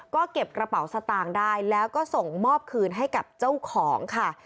ก็เก็บกระเป๋าสตางค์ได้แล้วก็ส่งมอบคืนให้กับเจ้าของค่ะ